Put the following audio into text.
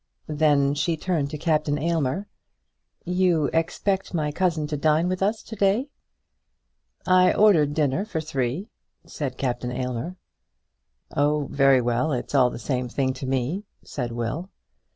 Then she turned to Captain Aylmer. "You expect my cousin to dine with us to day?" "I ordered dinner for three," said Captain Aylmer. "Oh, very well; it's all the same thing to me," said Will.